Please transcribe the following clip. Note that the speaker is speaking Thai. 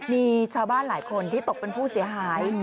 มีชาวบ้านหลายคนที่ตกเป็นผู้เสียหาย